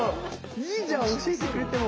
いいじゃん教えてくれても。